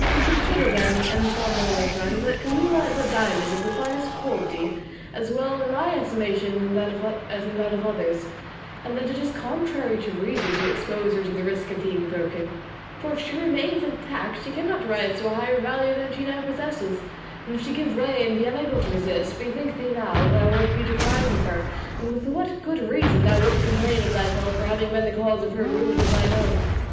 Consider, then, Anselmo my friend, that Camilla is a diamond of the finest quality as well in thy estimation as in that of others, and that it is contrary to reason to expose her to the risk of being broken; for if she remains intact she cannot rise to a higher value than she now possesses; and if she give way and be unable to resist, bethink thee now how thou wilt be deprived of her, and with what good reason thou wilt complain of thyself for having been the cause of her ruin and thine own.